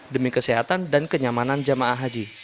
demi kesehatan dan kenyamanan jamaah haji